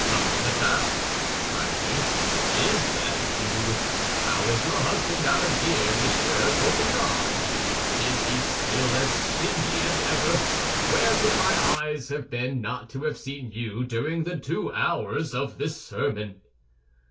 "Ma madame!" cried he; "is that you? How is your husband, our dear Monsieur Coquenard? Is he still as stingy as ever? Where can my eyes have been not to have seen you during the two hours of the sermon?"